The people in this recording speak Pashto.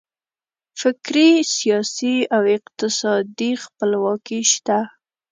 فکري، سیاسي او اقتصادي خپلواکي شته.